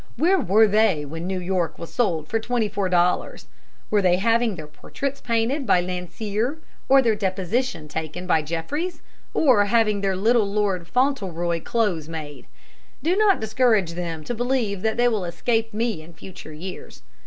Where were they when New York was sold for twenty four dollars? Were they having their portraits painted by Landseer, or their deposition taken by Jeffreys, or having their Little Lord Fauntleroy clothes made? Do not encourage them to believe that they will escape me in future years.